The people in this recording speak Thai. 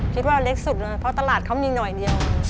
คิดว่าเล็กสุดเลยเพราะตลาดเขามีหน่อยเดียว